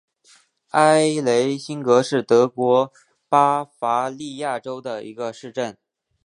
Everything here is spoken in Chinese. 埃雷辛格是德国巴伐利亚州的一个市镇。